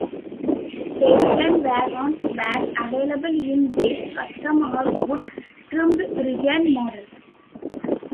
Station wagons were available in base, Custom, or wood-trimmed Regent models.